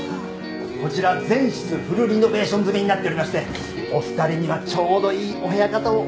こちら全室フルリノベーション済みになっておりましてお二人にはちょうどいいお部屋かと思うんですけどね。